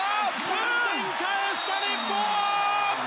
３点返した日本！